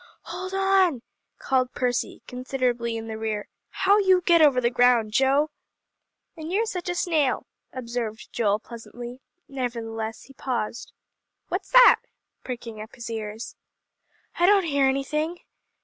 "Hold on," called Percy, considerably in the rear; "how you get over the ground, Joe!" "And you're such a snail," observed Joel pleasantly. Nevertheless he paused. "What's that?" pricking up his ears. "I don't hear anything."